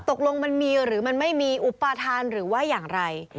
ตกลงมันมีหรือมันไม่มีอุปทานหรือว่าอย่างไร